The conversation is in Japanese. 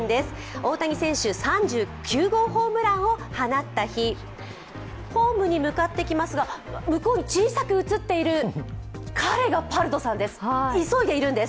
大谷選手、３９号ホームランを放った日ホームに向かっていきますが向こうに小さく映っている彼がパルドさんです、急いでいるんです。